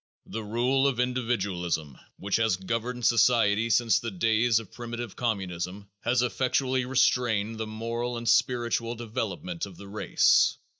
The rule of individualism which has governed society since the days of primitive communism has effectually restrained the moral and spiritual development of the race.